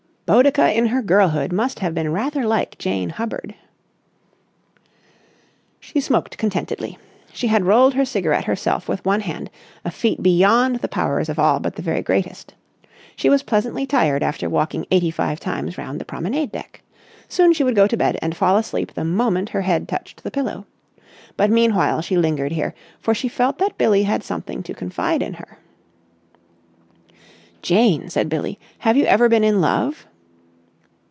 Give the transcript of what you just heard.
Boadicea in her girlhood must have been rather like Jane Hubbard. She smoked contentedly. She had rolled her cigarette herself with one hand, a feat beyond the powers of all but the very greatest. She was pleasantly tired after walking eighty five times round the promenade deck. Soon she would go to bed and fall asleep the moment her head touched the pillow. But meanwhile she lingered here, for she felt that Billie had something to confide in her. "Jane," said Billie, "have you ever been in love?"